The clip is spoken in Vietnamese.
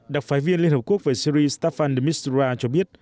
đặc phái viên liên hợp quốc về syri staffan de mistura cho biết